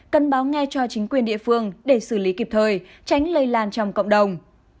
cân báo nghe cho chính quyền địa phương để xử lý kịp thời tránh lây lan trong cộng đồng